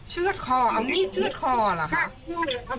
เชื่อดคอเอานี่เชื่อดคอหรือครับ